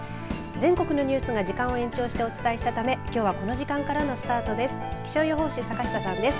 全国のニュースが時間を延長してお伝えしたため、きょうはこの時間からのスタートです。